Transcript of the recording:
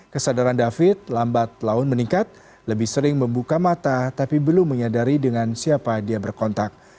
kesadaran david lambat laun meningkat lebih sering membuka mata tapi belum menyadari dengan siapa dia berkontak